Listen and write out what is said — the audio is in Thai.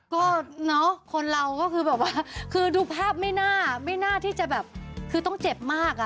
ก็เนอะคนเราก็คือแบบว่าคือดูภาพไม่น่าไม่น่าที่จะแบบคือต้องเจ็บมากอ่ะ